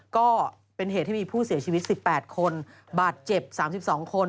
ก็เป็นเหตุที่มีผู้เสียชีวิตสิบแปดคนบาดเจ็บสามสิบสองคน